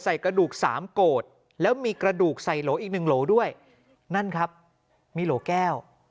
ไส้กระดูก๓กโกดแล้วมีกระดูกใส่โหอีก๑โหด้วยนั่นครับมีโหแก้ว